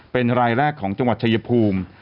เป็นรายแรกของจังหวัดชายภูมิ